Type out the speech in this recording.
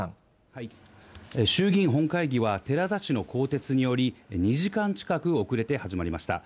衆議院本会議は寺田氏の更迭により、２時間近く遅れて始まりました。